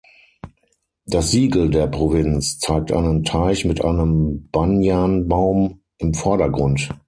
Das Siegel der Provinz zeigt einen Teich mit einem Banyan-Baum im Vordergrund.